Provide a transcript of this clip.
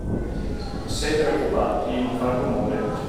S’è preoccupato di non far rumore